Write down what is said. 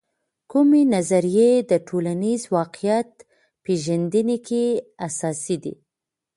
کومې نظریې د ټولنیز واقعیت پیژندنې کې حساسې دي؟